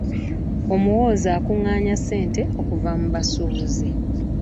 Omuwooza akunganya ssente okuva ku basubuzi.